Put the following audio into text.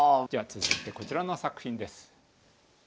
続いてこちらの作品です。